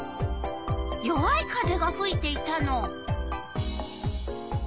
弱い風がふいていたの。